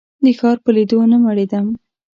د ښار په لیدو نه مړېدم.